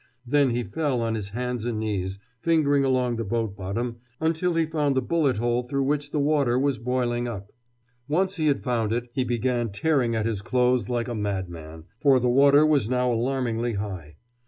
Then he fell on his hands and knees, fingering along the boat bottom until he found the bullet hole through which the water was boiling up. Once he had found it he began tearing at his clothes like a madman, for the water was now alarmingly high.